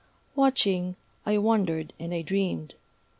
Watching, I wondered and I dreamed.